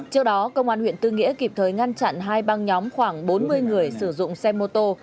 trước đó công an huyện tư nghĩa kịp thời ngăn chặn hai băng nhóm khoảng bốn mươi người sử dụng xe mô tô